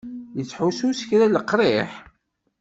Yettḥussu s kra n leqriḥ?